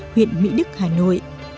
huyện mỹ đức hà nội